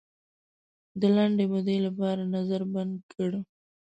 د لنډې مودې لپاره نظر بند کړ.